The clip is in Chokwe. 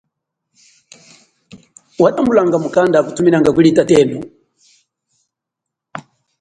Watambulanga mukanda akuthuminanga kuli tatenu?